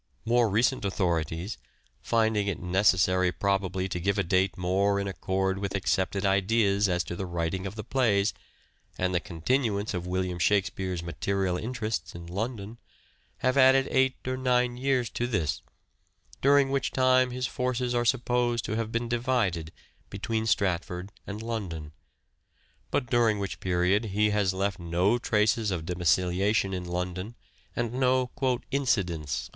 More recent authorities, finding it necessary probably to give a date more in accord with accepted ideas as to the writing of the plays, and the continuance of William Shakspere's material interests in London, have added eight or nine years to this, during which time his POSTHUMOUS CONSIDERATIONS 425 forces are supposed to have been divided between Stratford and London, but during which period he has left no traces of domiciliation in London, and no '' incidents